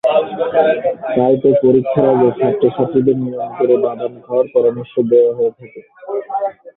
তাই তো পরীক্ষার আগে ছাত্র-ছাত্রীদের নিয়ম করে বাদাম খাওয়ার পরামর্শ দেওয়া হয়ে থাকে।